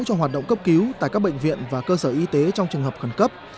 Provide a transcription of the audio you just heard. cho hoạt động cấp cứu tại các bệnh viện và cơ sở y tế trong trường hợp khẩn cấp